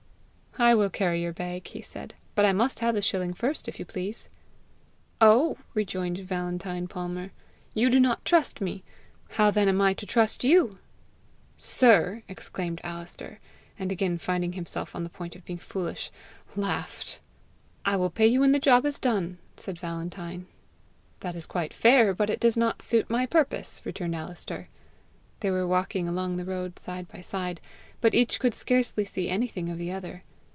"I will carry your bag," he said, "but I must have the shilling first, if you please." "Oh!" rejoined Valentine Palmer. "You do not trust me! How then am I to trust you?" "Sir!" exclaimed Alister and, again finding himself on the point of being foolish, laughed. "I will pay you when the job is done," said Valentine. "That is quite fair, but it does not suit my purpose," returned Alister. They were walking along the road side by side, but each could scarcely see anything of the other.